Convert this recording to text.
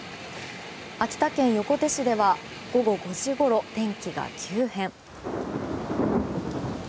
秋田県横手市では午後５時ごろ天気が急変。